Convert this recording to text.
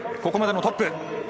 ここまでのトップ。